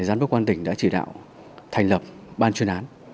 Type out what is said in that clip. giám đốc công an tỉnh đã chỉ đạo thành lập ban chuyên án